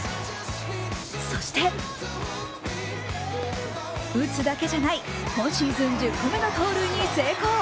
そして打つだけじゃない今シーズン１０個目の盗塁に成功。